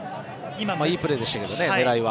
今のもいいプレーでした、狙いは。